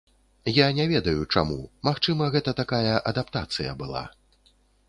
Я не ведаю чаму, магчыма, гэта такая адаптацыя была.